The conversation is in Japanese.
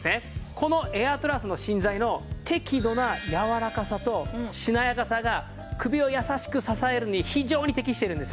このエアトラスの芯材の適度な柔らかさとしなやかさが首を優しく支えるのに非常に適しているんですよ。